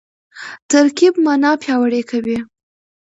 ترکیب مانا پیاوړې کوي.